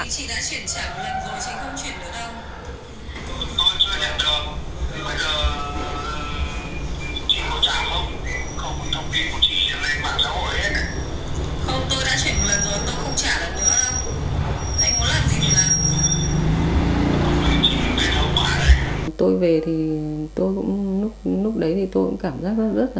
chị đã chuyển trả một lần rồi chị không chuyển được đâu